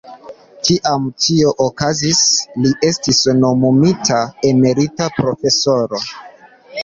Kiam tio okazis, li estis nomumita emerita profesoro.